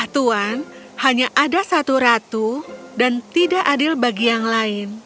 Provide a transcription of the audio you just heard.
tuhan hanya ada satu ratu dan tidak adil bagi yang lain